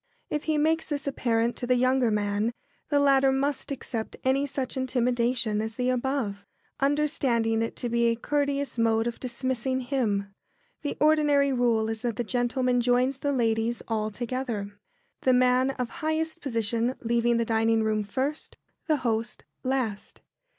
If he makes this apparent to the younger man, the latter must accept any such intimation as the above, understanding it to be a courteous mode of dismissing him. [Sidenote: The ordinary rule when rejoining the ladies.] The ordinary rule is that the gentlemen join the ladies all together, the man of highest position leaving the dining room first, the host last.